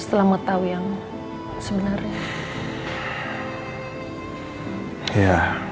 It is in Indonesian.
setelah mengetahui yang sebenarnya